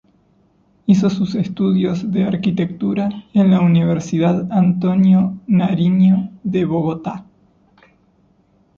Hizo sus estudios de arquitectura en la Universidad Antonio Nariño de Bogotá.